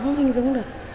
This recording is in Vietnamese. không hình dung được